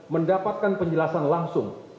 mendapatkan penjelasan langsung